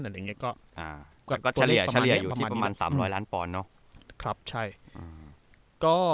แต่ก็เฉลี่ยอยู่ที่ประมาณ๓๐๐ล้านปอนด้วยเนอะ